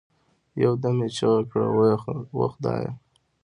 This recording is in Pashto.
يو دم يې چيغه كړه وه خدايه!